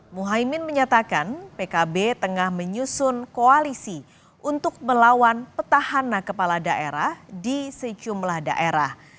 muhaymin menyatakan pkb tengah menyusun koalisi untuk melawan petahana kepala daerah di sejumlah daerah